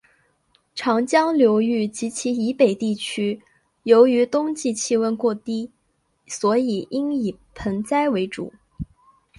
长江流域及其以北地区由于冬季气温过低所以应以盆栽为主。